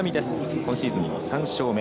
今シーズンの３勝目。